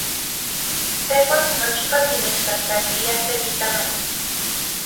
Tejuan nochipa timechtlajtlaniliaj seki tamali.